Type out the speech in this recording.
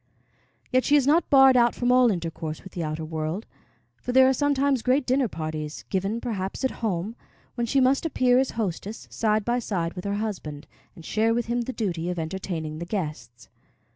Yet she is not barred out from all intercourse with the outer world, for there are sometimes great dinner parties, given perhaps at home, when she must appear as hostess, side by side with her husband, and share with him the duty of entertaining the guests.